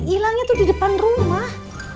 hilangnya tuh di depan rumah